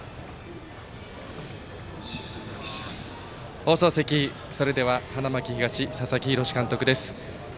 放送席、それでは花巻東、佐々木洋監督です。